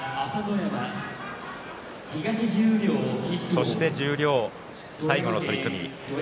そして十両最後の取組。